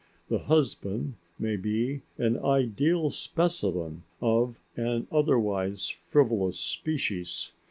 The husband may be an ideal specimen of an otherwise frivolous species.